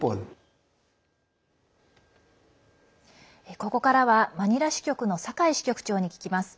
ここからはマニラ支局の酒井支局長に聞きます。